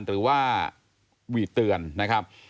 หรือว่าหวีดเตือนนะครับ